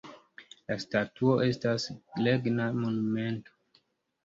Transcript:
La statuo estas regna monumento.